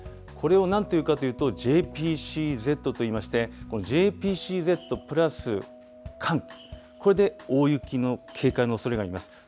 これをなんていうかというと、ＪＰＣＺといいまして、ＪＰＣＺプラス寒気、これで大雪の警戒のおそれがあります。